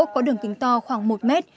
có đường kính to khoảng một mét